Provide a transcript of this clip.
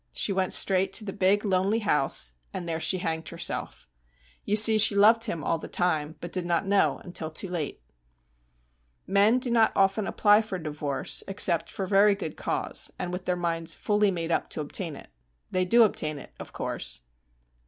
She went straight to the big, lonely house, and there she hanged herself. You see, she loved him all the time, but did not know till too late. Men do not often apply for divorce except for very good cause, and with their minds fully made up to obtain it. They do obtain it, of course.